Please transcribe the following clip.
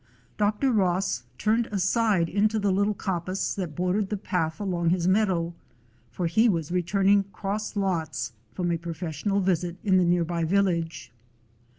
Dr. Ross turned aside into the little coppice that bor dered the path along his meadow; for he was returning cross lots from a professional visit in the near by village.